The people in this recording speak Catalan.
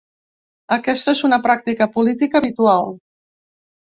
Aquesta és una pràctica política habitual.